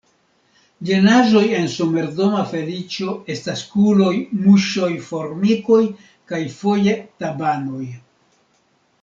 Ĝenaĵoj en somerdoma feliĉo estas kuloj, muŝoj, formikoj kaj foje tabanoj.